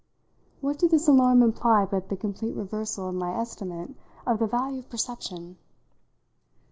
What did this alarm imply but the complete reversal of my estimate of the value of perception?